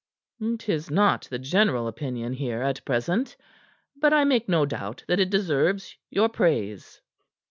"'Tis not the general opinion here at present. But I make no doubt that it deserves your praise."